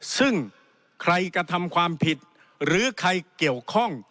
ซึ่งใครกระทำความผิดหรือใครเกี่ยวข้อง